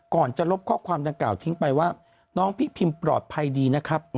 ก่อนจะลบข้อความดังกล่าวทิ้งไปว่าน้องพี่พิมปลอดภัยดีนะครับ